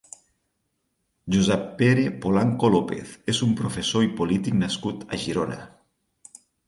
Josep Pere Polanco López és un professor i polític nascut a Girona.